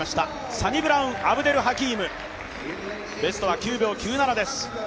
サニブラウン・アブデルハキーム、ベストは９秒９７です。